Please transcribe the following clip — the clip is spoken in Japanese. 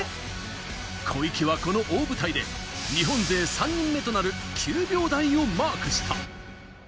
小池はこの大舞台で日本勢３人目となる９秒台をマークした。